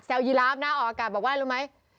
แซวยีรัฟต์บอกว่ารู้ไหม